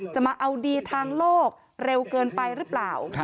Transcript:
มาเอาดีทางโลกเร็วเกินไปหรือเปล่า